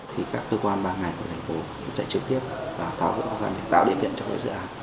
thì các cơ quan bằng ngành của thành phố sẽ trực tiếp và tạo địa kiện cho các dự án